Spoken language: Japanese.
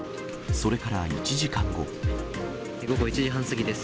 午後１時半過ぎです。